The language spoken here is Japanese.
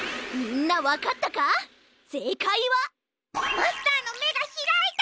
マスターのめがひらいた！